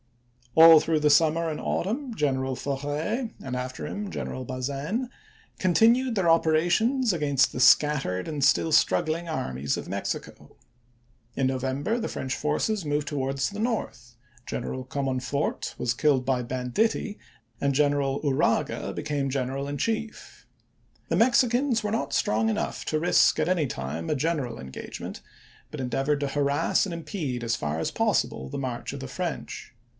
All through the summer and autumn General Forey, and after him General Bazaine, continued their operations against the scattered and still strug 1863. gling armies of Mexico. In November the French forces moved towards the north; General Comonfort was killed by banditti and General Uraga became general in chief. The Mexicans were not strong enough to risk at any time a general engage ment, but endeavored to harass and impede as far as possible the march of the French.